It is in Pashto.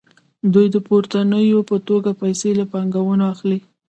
دوی د پورونو په توګه پیسې له بانکونو اخلي